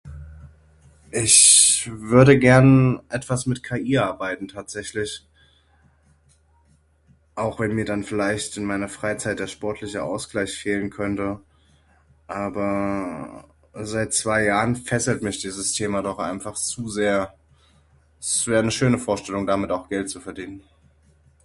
Ich würde gern etwas mit KI arbeiten tatsächlich, auch wenn mir dann vielleicht in meiner Freizeit der sportliche Ausgleich fehlen könnte. Aber seit zwei Jahren fesselt mich dieses Thema doch einfach zu sehr. Es wär ne schöne Vorstellung damit auch Geld zu verdienen.